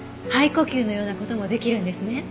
肺呼吸のような事もできるんですね。